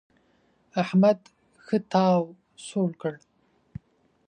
احمد ښه تاو سوړ کړ.